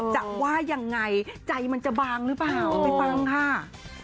จะว่ายังไงใจมันจะบางหรือเปล่าไปฟังค่ะ